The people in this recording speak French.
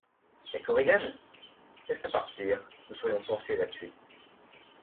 La Korigane ? Laisse-la partir, nous serions forcés de la tuer.